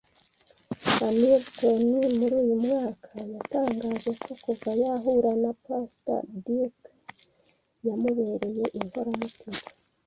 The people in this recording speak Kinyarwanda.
Hamilton muri uyu mwaka yatangaje ko kuva yahura na Pastor Dirks yamubereye inkoramuitima.